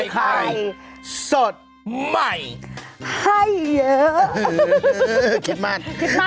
คิดมากคิดมาก